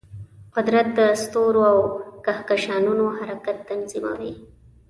قدرت د ستورو او کهکشانونو حرکت تنظیموي.